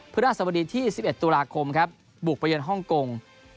พฤศวรรษบดีที่๑๑ตุลาคมบุกไปเย็นฮ่องกง